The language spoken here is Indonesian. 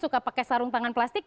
suka pakai sarung tangan plastik